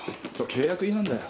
契約違反だよ。